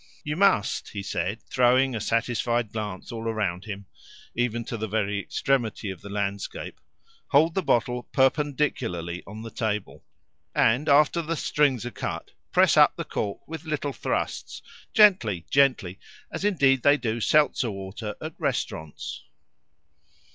"You must," he said, throwing a satisfied glance all round him, even to the very extremity of the landscape, "hold the bottle perpendicularly on the table, and after the strings are cut, press up the cork with little thrusts, gently, gently, as indeed they do seltzer water at restaurants."